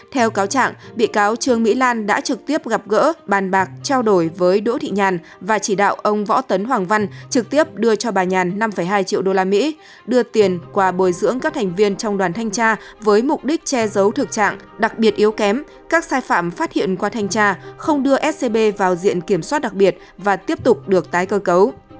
theo cáo trạng bị cáo trương mỹ lan đã trực tiếp gặp gỡ bàn bạc trao đổi với đỗ thị nhàn và chỉ đạo ông võ tấn hoàng văn trực tiếp đưa cho bà nhàn năm hai triệu usd đưa tiền qua bồi dưỡng các thành viên trong đoàn thanh tra với mục đích che giấu thực trạng đặc biệt yếu kém các sai phạm phát hiện qua thanh tra không đưa scb vào diện kiểm soát đặc biệt và tiếp tục được tái cơ cấu